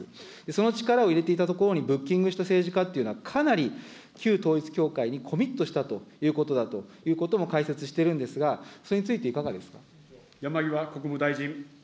その力を入れていたところにブッキングした政治家というのは、かなり旧統一教会にコミットしたということも解説してるんですが、それについていかがですか。